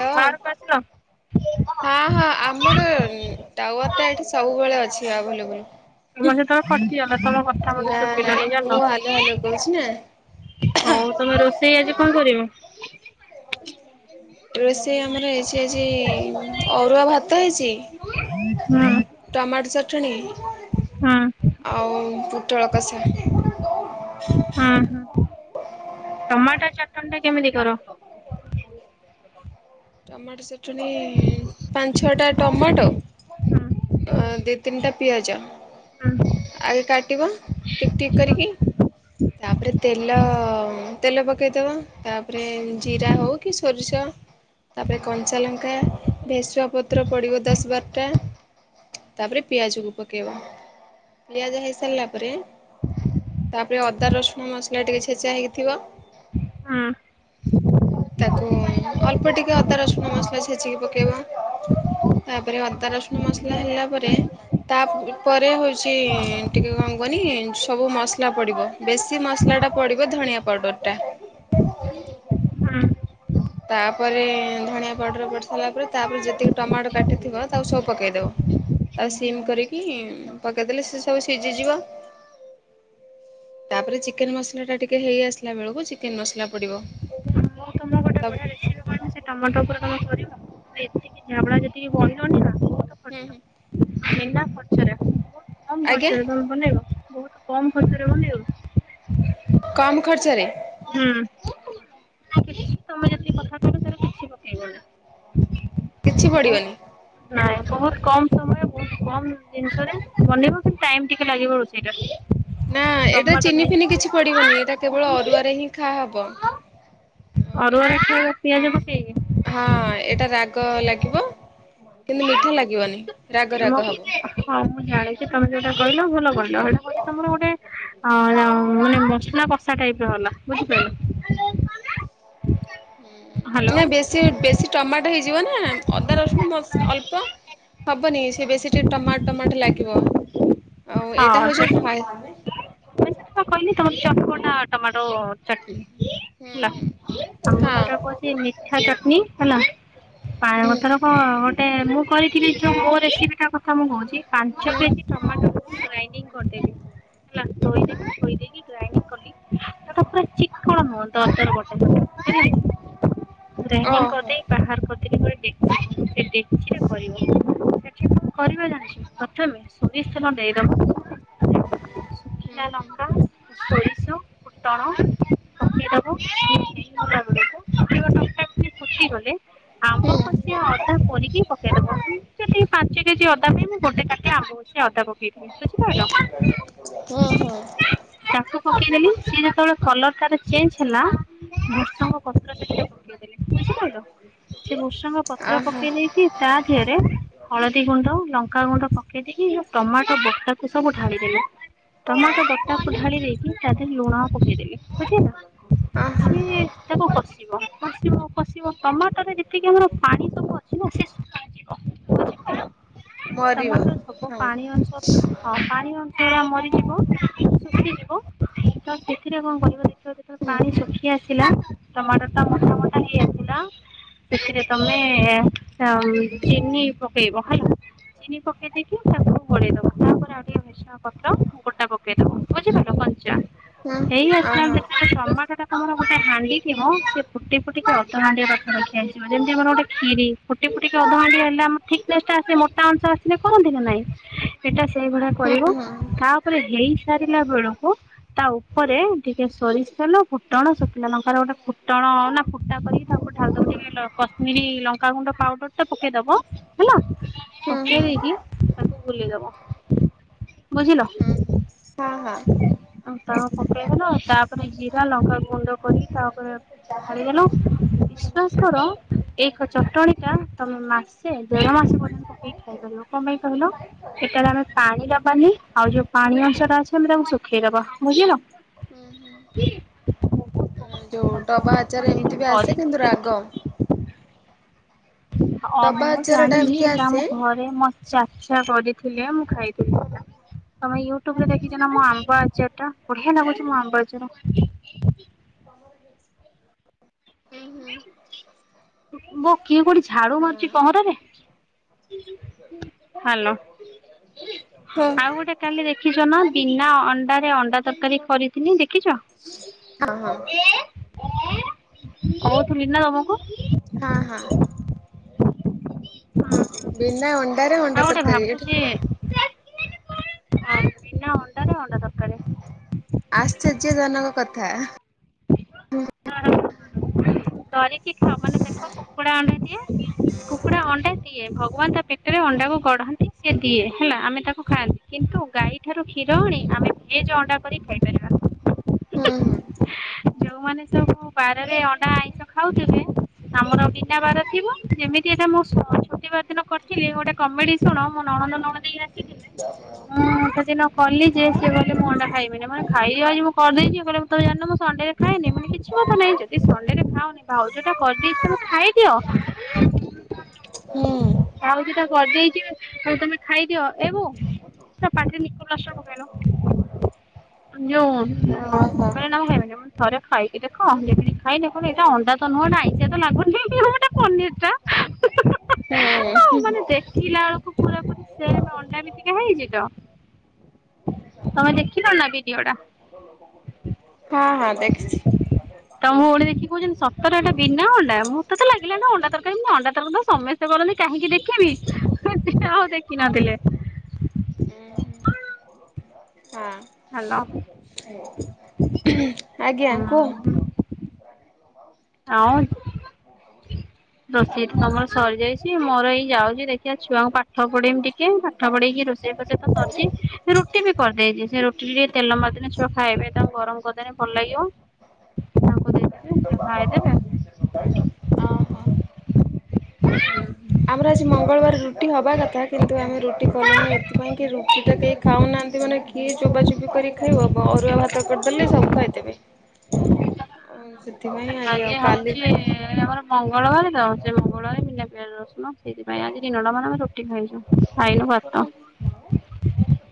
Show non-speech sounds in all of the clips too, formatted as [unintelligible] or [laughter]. Hello ବାହାରକୁ ଆସିଲ? ହଁ ହଁ ଆମର ଟାୱାର ଟା ଏଠି ସବୁବେଳେ ଅଛି ଆଭେଲେବୁଲ୍। ତମର ଯେତେବେଳେ କଟିଗଲା ତମ କଥା ମତେ ନା ନା ଶୁଭିଲାନି ମୁଁ ହାଲୋ ହାଲୋ କହୁଛି ନା। ଜାଣିଲ। ହଉ ତମେ ରୋଷେଇ ଆଜି କଣ କରିବ? ରୋଷେଇ ଆମର ହେଇଛି ଆଜି ଅରୁଆ ଭାତ ହେଇଛି ଟମାଟୋ ଚଟଣୀ ଆଉ ପୁଟଳ କଷା। ହଁ ହଁ ଟମାଟୋ ଚାଟଣୀ ଟା କେମିତି କର? ଟମାଟୋ ଚଟଣୀ ପାଞ୍ଚ ଛଅଟା ଟମାଟୋ ହୁଁ। ଅ ଦି ତିନିଟା ପିଆଜ ହୁଁ। ଆଗେ କାଟିବ ଟିକ୍ ଟିକ୍ କରିକି ତା ପରେ ତେଲ ତେଲ ପକେଇଦବ ତାପରେ ଜିରା ହଉ କି ସୋରିଷ ତାପରେ କଞ୍ଚା ଲଙ୍କା ଭ୍ରେଶୁଙ୍ଗା ପତ୍ର ପଡିବ ଦଶ ବାରଟା ତାପରେ ପିଆଜକୁ ପକେଇବା ପିଆଜ ହେଇସାରିଲା ପରେ ତାପରେ ଅଦା ରସୁଣ ମସଲା ଟିକେ ଛେଚା ହେଇକି ଥିବ ହୁଁ। ତାକୁ ଅଳ୍ପ ଟିକେ ଅଦା ରସୁଣ ମସଲା ଛେଚିକି ପକେଇବ ତା ପରେ ଅଦା ରସୁଣ ମସଲା ହେଲା ପରେ ତା ପରେ ହଉଛି ଟିକେ କଣ କୁହନି ସବୁ ମସଲା ପଡିବ। ବେଶୀ ମସଲା ଟା ପଡିବ ଧଣିଆ ପାଉଡ଼ର ଟା। ହୁଁ ତା ପରେ ଧଣିଆ ପାଉଡର ପଡି ସାରିଲା ପରେ ତାପରେ ଯେତିକି ଟମାଟୋ କାଟିଥିବ ତାକୁ ସବୁ ପକେଇଦବ ତାକୁ ସିମ୍ କରିକି ପକେଇଦେଲେ ସେ ସବୁ ସିଝି ଯିବ। ତାପରେ ଚିକେନ୍ ମସଲାଟା ଟିକେ ହେଇ ଆସିଲା ବେଳକୁ ଚିକେନ୍ ମସଲା ପଡିବ। ମୁଁ ତମକୁ ଗୋଟେ ବଢିଆ ତାପରେ ରେସିପି କହିବି ସେ ଟମାଟୋ ଉପରେ ତମ ସରିବ ଏତିକି ଝାବଡା ଯେତିକି କହିଲନି ନାଁ। ହୁଁ ହୁଁ ଖର୍ଚ୍ଚ ବିନା ଖର୍ଚ୍ଚରେ ବହୁତ କମ ଆଜ୍ଞା ଖର୍ଚ୍ଚରେ ବନେଇବ ବହୁତ୍ କମ ଖର୍ଚ୍ଚରେ ବନେଇବ। କମ୍ ଖର୍ଚ୍ଚରେ? ହୁଁ ତମେ ଯଦି କଥା କହିଲ କିଛି [unintelligible] କିଛି ବହୁତ ପଡି଼ବନି। ନାଇଁ ବହୁତ କମ ସମୟ, ବହୁତ କମ ଜିନିଷରେ ବନିବ କିନ୍ତୁ ଟାଇମ ଟିକେ ଲାଗିବ। ସେଇଟା ନା ଏଇଟା ଚିନି ଫିନି କିଛି ପଡି଼ବନି ଏଇଟା କେବଳ ଅରୁଆରେ ହିଁ ଦେଖା ହବ ଅରୁଆରେ ଏଇଟା। ପିଆଜ ପକେଇକି ହଁ ଏଇଟା ରାଗ ଲାଗିବ କିନ୍ତୁ ମିଠା ଲାଗିବନି। ରାଗ ରାଗ ମୋ ହବ। ହଁ ମୁଁ ଜାଣିଛି ତମେ ଯୋଉଟା କହିଲ ଭଲ କହିଲ। ତମର ଗୋଟେ ଅ ଳ ମାନେ ମସଲା କଷା ଟାଇପର ହେଲା ବୁଝିପାରିଲ। [inaudible] ହ୍ୟାଲୋ। ଯେ ବେଶୀ ଟମାଟୋ ହେଇଯିବ ନା ଅଦା ରସୁଣ ବାସ୍ ଅଳ୍ପ ହବନି ସେ ବେଶୀ ଟିକେ ଟମାଟ ଟମାଟ ଲାଗିବ ଆଉ ଏଇଟା ହଉଛି ହା ମୁଁ କହିଲି ତମର ଚଟକଟା ଟମାଟୋ ଚଟଣୀ ହୁଁ ହେଲା ହୁଁ ଆଉ ମୁଁ ହଁ ଯୋଉଟା କହିଲି ସେ ମିଠା ଚଟନି ହେଲା। ହୁଁ ପାନିପତ୍ର କଣ ଗୋଟେ ମୁଁ କହିଥିଲି ଯୋଉ ମୋର ରେସିପିଟା ତ ମୁଁ କହୁଛି ପାଞ୍ଚ ହୁଁ କେଜି ଟମାଟୋ ମୁଁ ଗ୍ରାଇଣ୍ଡି କରିଦେଲି ହେଲା ଧୋଇଦେବି ଧୋଇଦେଇେକି ଗ୍ରାଇଣ୍ଡି କଲି। ସେଟା ପୁରା ଚିକଣ ହବ ଦର ଦର ବଟା ହେଲା କି। ଗ୍ରାଇଣ୍ଡି କରି ଓହୋ ଦେଇ ବାହାର କରିଦେଲି ପୁରା ସେ ଡେକ୍ଚିରେ କରିବ ସେଠି କଣ କରିବା ଜାଣିଛ? ପ୍ରଥମେ ସୋରିଷ ତେଲ ଦେଇଦବ। ହୁଁ ହୁଁ। ସୋରିଷ ଫୁଟଣ ପକେଇଦବ ହେଇଗଲା ବେଳକୁ ଫୁଟିବ ଟକ ଟାକ। ଫୁଟି ଗଲେ ହୁଁ। ସେ ଅଦା କୋରିକି ପକେଇଦବ। ସେ ପାଞ୍ଚ କେଜି ଅଦା ପାଇଁ ମୁଁ ଗୋଟେ କାଟି ଆମ୍ବ କସିଆ ଅଦା ପକେଇବ। ହୁଁ [inaudible] ହୁଁ ତାକୁ ପକେଇଦେଲି। ସିଏ ଯେତେବେଳେ କଲର ତାର ଚେଞ୍ଜ ହେଲା ଭୃଷଙ୍ଗ ପତ୍ର ଟିକେ ପକେଇଦେଲି। ବୁଝିପାରିଲ ସେ ଭୃଷଙ୍ଗ ପତ୍ର ଅହ ପକେଇ ଦେଇକି ତା ଦିହରେ ହଳଦୀ ଗୁଣ୍ଡ, ଲଙ୍କାଗୁଣ୍ଡ ପକେଇ ଦେଇକି ଟମାଟୋ ବଟାକୁ ସବୁ ଢାଳିଦେଲି। ଟୋମାଟୋ ବଟାକୁ ଢାଳି ଦେଇକି ତା ଦେହରେ ଲୁଣ ପକେଇଦେଲି ବୁଝିଲ। ଓ ହୋ। ସିଏ ତାକୁ କଷିବ କଷିବ କଷିବ ଟମାଟୋରେ ଯେତିକି ଆମର ପାଣି ସବୁ ଅଛି [inaudible] ମରିବ ଟମାଟୋର ସବୁ ହଁ ପାଣି ଅଂଶ ସୁଖିବ। ହଁ ପାଣି ଅଂଶଗୁରା ମରିଯିବ ଶୁଖିଯିବ ତ ସେଥିରେ କଣ କରିବ ତ ଯେତେବେଳେ ହୁଁ ପାଣି ଶୁଖି ଆସିଲା ଟମାଟୋ ଟମାଟୋ ଖଟା ହେଇ ଆସିଲା ସେଥିରେ ତମେ ଆଉ ଚିନି ପକେଇବ ହେଲା। ଚିନି ପକେଇ ଦେଇକି ତାକୁ ଗୋଳେଇ ଦବା ତାପରେ ଆଉ ଟିକେ ଭେସୃଙ୍ଗ ପତ୍ର ଗୋଟା ପ [unintelligible] ବୁଝି ପାରିଲ କଞ୍ଚା ହୁଁ ହେଇ ଅହ ଆସିଲାଣି ଦେଖ ଟମାଟୋ ଟା ତମର ଗୋଟେ ହାଣ୍ଡି ଥିବ ସିଏ ଫୁଟି ଫୁଟିକି ଅଧ ହାଣ୍ଡିଏ ପାଖାପାଖି ଆସିଯିବ ଯେମତି ଆମର ଗୋଟେ କ୍ଷୀରି। ଫୁଟି ଫୁଟିକି ଅଧ ହାଣ୍ଡି ହେଲେ ଆମ ଥିକନେସଟା ଆସେ ମୋଟା ଅଂଶ ଆସିଲେ କରନ୍ତି ନା ନାଇଁ। ସେଟା ସେଇଭଳିଆ ହୁଁ କରିବ ହୁଁ ହୁଁ ତାପରେ ହେଇ ସାରିଲା ବେଳକୁ ତା ଉପରେ ଟିକେ ସୋରିଷ ତେଲ ଫୁଟଣ ଶୁକିଲା ଲଙ୍କାରେ ଗୋଟେ ଫୁଟଣ ନା ଫୁଟା କରିକି ତାକୁ ଢାଳିଦବୁ ଟିକେ ଲ କଶ୍ମିରୀ ଲଙ୍କାଗୁଣ୍ଡ ପାଉଡରଟା ପକେଇଦବ ହେଲା ହୁଁ ପକେଇ ହୁଁ ଦେଇକି ତାକୁ ବୁଲେଇ ଦବ। ହୁଁ ହୁଁ ହଁ ହଁ। ଆଉ ତା ପକେଇଦେଲ ତା ତାପରେ ଜିରା ଲଙ୍କା ଗୁଣ୍ଡ କରିକି ତା ଓପେରେ ଢାଳିଦେଲ ବିଶ୍ୱାସ କର ଏଇ ଖ ଚଟଣିଟା ତମେ ମାସେ ଦେଢ ମାସ ପର୍ଯ୍ୟନ୍ତ ପକେଇକି ଖାଇପାରିବ। କଁ ପାଇଁ କହିଲ ସେଟାରେ ଆମେ ପାଣି ଦବାନି ଆଉ ଯୋଉ ପାଣି ଅଂଶ ଟା ଅଛି ବୋଲି ତାକୁ ଶୁଖେଇଦବ ବୁଝିଗଲ। ଆଁ ଯୋଉ ଡବା ଆଚାର ଏମତି ବି ଆସେ କିନ୍ତୁ ରାଗ। ହ ହଁ ଡବା ମୁଁ ଆଚାର ଟା ଜାଣିଲି ଏମିତି ଏକା ଆସେ ଆମ ଘର୍ ରେ ମୋ ଚାଚା କରିଥିଲେ ମୁଁ ଖାଇଥିଲି। ତମେ ୟୁଟୁବୁରେ ଦେଖିଚ ନା ମୋ ଆମ୍ବ ଆଚାରଟା ବଢିଆ ନାଗୁଛି ମୋ ଆମ୍ବ ଆଚାର। ତମର ହେ [inaudible] ଉଁ ବୋଉ କିଏ କୋଉଠି ଝାଡୁ ହଁ ମାରୁଛି ପହଁରାରେ। ହାଲୋ ହଁ ଆଉ ଗୋଟେ କାଲି ଦେଖିଛ ନା ବିନା ଅଣ୍ଡାରେ ଅଣ୍ଡା ତରକାରୀ କରି ଥିନି ଦେଖିଛ ହଁ। [inaudible] କହୁଥିଲି ନା ତମକୁ। ହଁ ହଁ। ବିନା ଅଣ୍ଡାରେ ଅ ଆଉ ଗୋଟେ ଭାବୁଛି ଅଁ ବିନା ଅଣ୍ଡାରେ ଅଣ୍ଡା ତ ଆଶ୍ଚର୍ଯ୍ୟଜନକ କଥା ତରିକି ଖାଅ ମାନେ ଦେଖ କୋ କୁକୁଡା ଅଣ୍ଡା ଦିଏ କୁକୁଡା ଅଣ୍ଡା ଦିଏ ଭଗବାନ୍ ତା ପେଟେରେ ଅଣ୍ଡାକୁ ଗଢନ୍ତି। ସିଏ ଦିଏ ହେଲା ଆମେ ତାକୁ ଖାଆନ୍ତି କିନ୍ତୁ ଗାଈଠାରୁ କ୍ଷୀର ଆଣି ଆମେ ଭେଜେ ଅଣ୍ଡା କରିକି ଖାଇପାରିବା। ହୁଁ ହୁଁ। ଯୋଉମାନେ ସବୁ ବାରରେ ଅଣ୍ଡା ଆଇଁଷ ଖାଉଥୁବେ ଆମର ବିନା ବାର ଥିବ ଯେମିତି ଏଟା ମୁଁ ଶ ଛୁଟିବାର ଦିନ କରିଥିଲି ଗୋଟେ କମେଡି ଶୁଣ ମୋ ନଣନ୍ଦ ନଣଦେଇ ଆସିିଥିଲେ ମୁଁ ସେଦିନ କଲି ଯେ ସିଏ କହିଲେ ମୁଁ ଅଣ୍ଡା ଖାଇମିନି ମୁଁ କହିନି ଖାଇଦିଅ ଆଜି ମୁଁ କରିଦେଇଛି ସିଏ କହିଲେ ମୁଁ ତମେ ଜାଣି ନ ମୁଁ ସଣ୍ଡେରେ ଖାଏନି ମାନେ କିଛି [unintelligible] କି ସଣ୍ଡେରେ ଖାଅନି ଭାଉଜଟା କରିଦେଇଛି ତମେ ଖାଇ ଦିଅ। ହୁଁ ଭାଉଜଟା କରିଦେଇଛି ଆଉ ତମେ ଖାଇଦିଅ ଏ ବୋଉ ତା ପାଟିରେ ନିକୋପ୍ଲାସ୍ଟର ପକେଇଲ ଉଁ ଯୋଉ ଓହୋ। କହିଲେ [unintelligible] ଥରେ ଖାଇକି ଦେଖ [unintelligible] ଖାଇଲେ କଣ ଏଇଟା ଅଣ୍ଡା ତ ନୁହଁ ଏଟା ଆଇଁଶିଆ ତ ଲାଗୁନି ହଁ ଏଟା ପନିରଟା। ହ [inaudible] [inaudible] ହଁ। ହଉ ମାନେ ଦେଖିଲା ବେଳକୁ ପୁରା ପୁରି ସେମ ଅଣ୍ଡା ବିତିକା ହେଇଛି ତ। ତମେ ଦେଖିଲ ନା ଭିଡିଓ ଟା? ହଁ ହଁ ଦେଖ୍ ଛି। ତ ମୋ ଭଳି ଦେଖି କହୁଛନ୍ତି ସତରେଟେ ବିନା ଅଣ୍ଡା ମୋତେ ତ ଲାଗିଲା ନା ଅଣ୍ଡା ତରକାରୀ ଅଣ୍ଡା ତରକାରୀ ତ ସମସ୍ତେ ସେ କହୁଛନ୍ତି କାହିଁକି ଦେଖିବି [inaudible] ଆଉ ଦେଖିନଥିଲେ। ଉୁଁ ହୁଁ। ହଁ। ହ୍ୟାଲୋ। ଆଜ୍ଞା ହୁଁ କୁହ? ଆଉ। ରୋଷେଇ ତ ତମର ସରି ଯାଇଛି ମୋର ଏଇ ଯାଉଛି ଦେଖିବା ଛୁଆଙ୍କୁ ପାଠ ପଢେଇମି ଟିକେ। ପାଠ ପଢେଇକି ରୋଷେଇ ଫୋଷେଇ ତ ସରିଛି ରୁଟି ବି କରିଦେଇଛି ସେ ରୁଟି ରେ ତେଲ ମାରିଦେଲେ ଛୁଆ ଖାଇବେ ତା ଗରମ କରିଦେଲେ ଭଲ ଲାଗିବ। ତାଙ୍କୁ ଦେଇଦେବେ ସେ ଖାଇଦେବେ। ଜାଣିଛ। ଓହୋ। ହ [inaudible] ଆମର ଆଜି ମଙ୍ଗଳବାର ରୁଟି ହବା କଥା କିନ୍ତୁ ଆମେ ରୁଟି କଲୁନି ଏଥିପାଇଁ କି ରୁଟି ଟା କେହି ଖାଉନାହାନ୍ତି ମାନେ କିଏ ଚୋବା ଚୋବି କରିକି ଖାଇବ ଅରୁଆ ଭାତ କରିଦେଲେ ସବୁ ଖାଇଦେବେ। ଆଉ ସେଥିପାଇଁ। ଆଜି ଆଉ ଆଜ୍ଞା କାଲି ହଉଛି ଏ ଆମର ମଙ୍ଗଳବାର ତ ସେ ମଙ୍ଗଳବାର ବିିନା ପିଆଜ ରସୁଣ ସେଇଥିପାଇଁ ଆଜି ଦିନଟା ମାନେ ଆମେ ରୁଟି ଖାଇଛୁ। ଖାଇନୁ ଭାତ।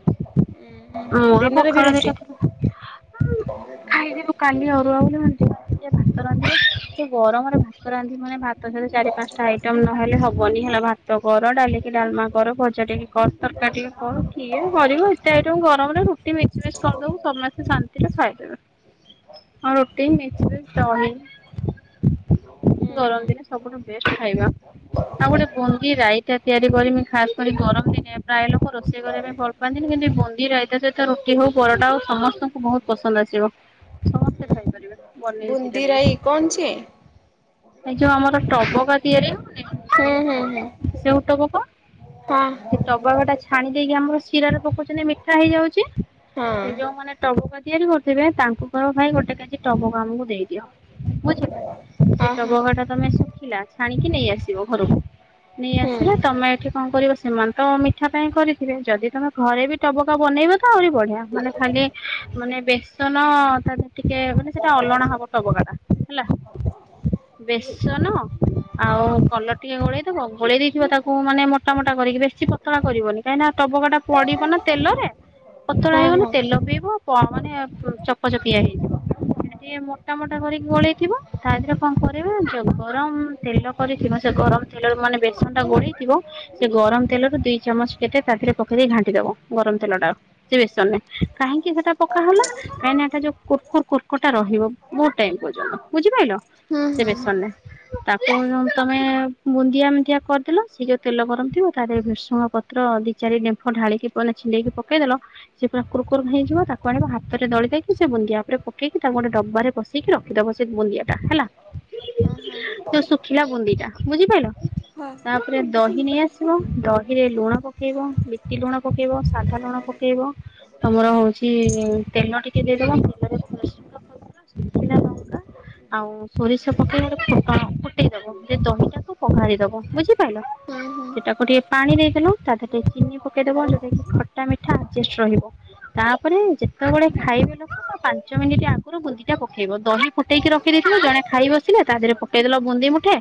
ହୁଁ ହୁଁ। ମୋର ପଖାଳ ଦିଟା [inaudible] ଖାଇଥିଲୁ କାଲି ଅରୁଆ ବୋଲି ସିଏ ଭାତ ରାନ୍ଧିବେ ସେ ଏ ଗରମରେ ଭାତ ରାନ୍ଧି ମାନେ ଭାତ ସହିତ ଚାରି ପାଞ୍ଚଟା ଆଇଟମ ନହେଲେ ହବନି ହେଲା ଭାତ ତ କର ଡାଲିକି ଡାଲମା କର ଭଜା ଟିକେ କର ତରକାରୀ ଟିକେ କର କିଏ କରିବ ଏତେ ଗରମରେ ରୁଟି ମିକ୍ସ ଫିକ୍ସ କରିଦବୁ ସମସ୍ତେ ଶାନ୍ତି ରେ ଖାଇଦବେ। ହଁ ରୁଟି ମିକ୍ସ ଫିକ୍ସ ଦହି ଗରମ ଦିନେ ସବୁଠୁ ବେଷ୍ଟ ଖାଇବା। ଆଉ ଗୋଟେ ବୁନ୍ଦୀ ରାଇତା ତିଆରି କରିବି। ଖାସ କରି ଗରମ ଦିନେ ପ୍ରାୟ ଲୋକ ରୋଷେଇ କରିବା ପାଇଁ ଭଲ ପାଆନ୍ତିନି କିନ୍ତୁ ବୁନ୍ଦି ରାଇତା ସହିତା ରୁଟି ହଉ ପରଟା ହଉ ସମସ୍ତଙ୍କୁ ବହୁତ ପସନ୍ଦ ଆସିବ ସମସ୍ତେ ଖାଇପାରିବେ। ବନେଇବି ବୁନ୍ଦିରାଇ କଣ ସିଏ? ଏ ଯୋଉ ଆମର ଟବକା ତିଆରି ହଉନି। ସେଉ ଟବ କଣ? ସେ ଟବକ ଟା ଛାଣି ଦେଇକି ଆମର ଶିରାରେ ପକଉଛନ୍ତି ମିଠା ହେଇଯାଉଛି। ସେ ଯୋଉ ମାନେ ଟବକା ତିଆରି କରୁଥିବେ ତାଙ୍କୁ କହିବ ଭାଇ ଗୋଟେ କେଜି ଟବକା ଆମକୁ ଦେଇଦିଅ। ବୁଝିଲ ସେ ଟବକା ଟା ତମେ ଶୁଖିଲା ଛାଣିକି ନେଇ ଆସିବ ଘରକୁ। ନେଇଆସିଲେ ତମେ ଏଠି କଣ କରିବ ସେମାନେ ତ ମିଠା ପାଇଁ କରିଥିବେ ଯଦି ତମେ ଘରେ ବି ଟବକା ବନେଇବ ତ ଆହୁରି ବଢିଆ ମାନେ ଖାଲି ମାନେ ବେସନ ତାର ଟିକେ ମାନେ ସେଟା ଅଲଣା ହବ। ଟବକାଟା ହେଲା। ବେସନ ଆଉ କଲର ଟିକେ ଗୋଳେଇଦବ ଗୋଳେଇ ଦେଇଥିବ ତାକୁ ମାନେ ମୋଟା ମୋଟା କରିକିରି। କିଛି ପତଳା କରିବନି କାହିଁକି ନା ଟବକା ଟା ପଡିବ ନା। ତେଲରେ ପତଳା ହେଇଗଲେ ତେଲ ପିଇବ ପ ମାନେ ଇ ଚପଚପିଆ ହେଇଯିବ। ସିଏ ମୋଟା ମୋଟା କରିକି ଗୋଳେଇଥିବ ତା ଧିରେ କଣ କରିବ ଜାଣିଚ ଗରମ ତେଲ କରିଥିବ ସେ ଗରମ ତେଲରେ ମାନେ ବେସନ ଟା ଗୋଳେଇଥିବ ସେ ଗରମ ତେଲ ରେ ଦିଇ ଚାମଚ କେତେ ତାଦେହେରେ ପକେଇ ଦେଇେ ଘାଣ୍ଟି ଦବ ଗରମ ତେଲ ଟା। ସେ ବେସନେ କାହିଁକି ସେଟା ପକା ହେଲା କାହିଁକିନା ଏଟା ଯୋଉ କୁର୍ କୁର୍ ଟା ରହିବ। ମୋର ଟାଇମ୍ ପର୍ଯ୍ୟନ୍ତ ବୁଝିପାଇଲ ସେ ବେସନେ ତାକୁ ଯ ତମେ ବୁନ୍ଦିଆ ମୁନ୍ଦିଆ କରିଦେଲ ସିଏ ତେଲ ଗରମ ଥିବ ତା ଦେରେ ଭ୍ରୁସଙ୍ଗ ପତ ପତ୍ର ଦି ଚାରି ଡେମ୍ଫ ଢାଳିକି ପଲେ ଛିଣ୍ଡେଇକି ପକେଇଦେଲ। ସେ ପୁରା କୁର କୁର୍ ହେଇଯିବ ତାକୁ ଆଣିବ ହାତରେ ଦଳି ଦେଇକି ସେ ବୁନ୍ଦିିଆ ଉପରେ ପକେଇ କି ତାକୁ ଗୋଟେ ଡବାରେ ପସ ଠିକି ରଖିଦବ ସେ ବୁନ୍ଦିଆ ଟା ହେଲା ଯୋଉ ଶୁଖିଲା ବୁନ୍ଦି ଟା ବୁଝିପାଇଲ। ହଁ। ତାପରେ ଦହି ନେଇ ଆସିବ ଦହିରେ ଲୁଣ ପକେଇବ ବିଟି ଲୁଣ ପକେଇବ ସାଧା ଲୁଣ ପକେଇବ। ତମର ହଉଛି ତେଲ ଟିକେ ଦେଇଦବ ତେଲରେ। [unintelligible] ସେ ଶୁଖିଲା ଯା ଲଙ୍କା [unintelligible] ଆଉ। ସୋରିଷ ପକେଇ ବାର ଫୁଟଣ ଫୁଟେଇ ଦବ ସେ ଦହିଟାକୁ ବାଘାରି ଦବ ବୁଝିପାରିଲ। ସେଟାକୁ ଟିକେ ପାଣି ଦେଇଦଲୁ ତା ଦେରେ ଟିକେ ଚିନି ପକେଇଦବ ଯଦି ଖଟା ମିଠା ଆଡଜଷ୍ଟ ରହିବ। ତାପରେ ଯେତେବେଳେ ଖାଇବେ ଲୋକ ତ ପାଞ୍ଚ ମିନିଟ ଆଗରୁ ବୁନ୍ଦି ଟା ପକେଇବ ଦହି ଫୁଟେଇକି ରଖିଦେଇଥିଲୁ ଜଣେ ଖାଇ ବସିଲେ ତା ଦେହରେ ପକେଇଦେଲ ବୁନ୍ଦି ମୁଠେ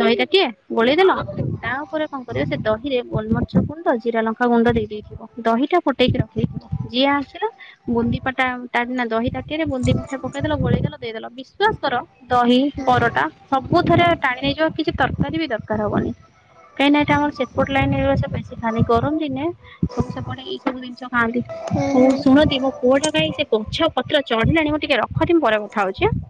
ଦହି ତାଟିଏ ଗୋଳେଇଦେଲ ତା ଉପରେ କଣ କରିବ ସେ ଦହିରେ ଗୋଲମରିଚ ଗୁଣ୍ଡ ଜିରା ଲଙ୍କା ଗୁଣ୍ଡ ଦେଇ ଦେଇଥିବ ଦହିଟା ଫୁଟେଇକି ରଖିଦେଇଥିବ ଯିଏ ଆସିଲା ବୁନ୍ଦି ପାଟା ତାନା ଦହି ତାଟିଆ ରେ ବୁନ୍ଦି ମୁଠେ ପକେଇଦେଲ ଗୋଳେଇଦେଲ ଦେଇଦେଲ ବିଶ୍ୱାସ କର ଦହି ପରଟା ସବୁଥରେ ଟାଣି ନେଇଯିବ କିଛି ତରକାରୀ ବି ଦରକାର ହବନି। କାଇଁନା ଏଟା ଆମର ସେପଟ ଲାଇନ ର ବେଶି ଖାନି ଗରମ ଦିନେ ସବୁ ସେପଟେ ଏଇ ସବୁ ଜିନିଷ ଖାଆନ୍ତି ଆଉ ଆଉ ଶୁଣନ୍ତି ମୋ ପୁଅଟା କାଇଁ ସେ। ଗଛ ପତ୍ର ଚଢିଲାଣି ମୁଁ ଟିକେ ରଖତି ମୁଁ ପରେ କଥା ହଉଛି ଆ।